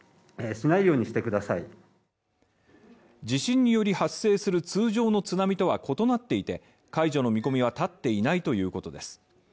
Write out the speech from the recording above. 地震により発生する通常の津波とは異なっていて、解除の見込みは立っていないということです。